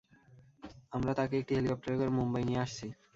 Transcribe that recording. আমরা তাকে একটি হেলিকপ্টারে করে মুম্বাই নিয়ে আসছি।